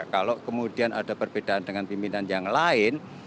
kalau kemudian ada perbedaan dengan pimpinan yang lain